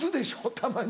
たまに。